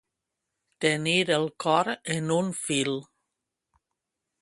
Tenir el cor en un fil.